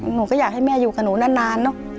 หนูก็อยากให้แม่อยู่กับหนูนานเนอะ